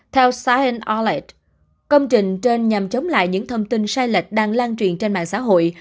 theo sahelts công trình trên nhằm chống lại những thông tin sai lệch đang lan truyền trên mạng xã hội